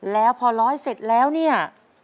แล้วพอร้อยเสร็จแล้วเนี่ย